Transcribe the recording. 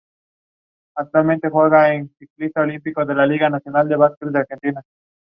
We have got it at last.